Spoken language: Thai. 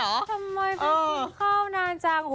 ทำไมไปกินข้าวนานจัง